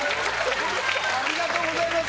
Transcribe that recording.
ありがとうございます。